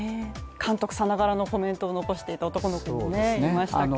監督さながらのコメントを残していた男の子もいましたけどね。